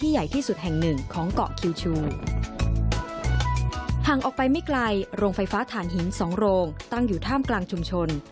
ห่างออกไปไม่ไกลโรงไฟฟ้าฐานหิน๒โรงตั้งอยู่ท่ามกลางชุมชน